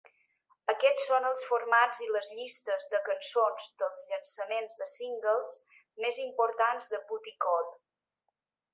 Aquests són els formats i les llistes de cançons dels llançaments de singles més importants de "Bootie Call".